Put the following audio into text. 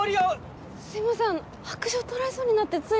すいませんあの白杖を取られそうになってつい。